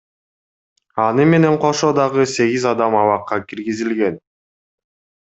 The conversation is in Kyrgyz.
Аны менен кошо дагы сегиз адам абакка киргизилген.